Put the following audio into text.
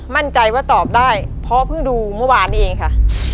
มั่นใจว่าตอบได้เพราะเพิ่งดูเมื่อวานนี้เองค่ะ